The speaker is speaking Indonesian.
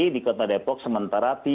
di kota depok sementara